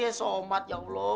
ayah somat ya allah